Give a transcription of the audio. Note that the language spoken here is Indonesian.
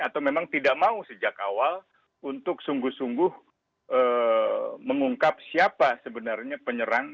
atau memang tidak mau sejak awal untuk sungguh sungguh mengungkap siapa sebenarnya penyerang